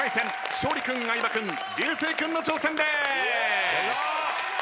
勝利君相葉君流星君の挑戦です！